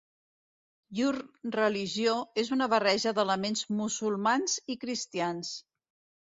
Llur religió és una barreja d'elements musulmans i cristians.